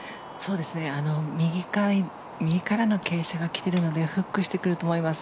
右からの傾斜が来てるのでフックしてくると思います。